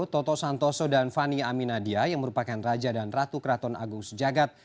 toto santoso dan fani aminadia yang merupakan raja dan ratu keraton agung sejagat